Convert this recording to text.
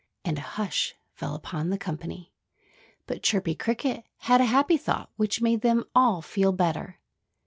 And a hush fell upon the company. But Chirpy Cricket had a happy thought, which made them all feel better.